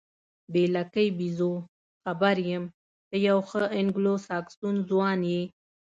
بې لکۍ بیزو، خبر یم، ته یو ښه انګلوساکسون ځوان یې.